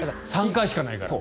３回しかないから。